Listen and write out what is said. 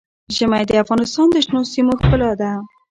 ژمی د افغانستان د شنو سیمو ښکلا ده.